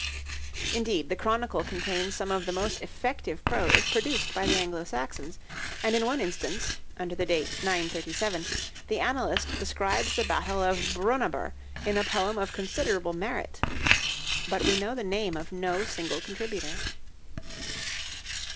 Indeed, the 'Chronicle' contains some of the most effective prose produced by the Anglo Saxons; and in one instance, under the date 937, the annalist describes the battle of Brunanburh in a poem of considerable merit. But we know the name of no single contributor.